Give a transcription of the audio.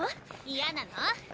嫌なの？